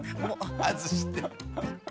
外して。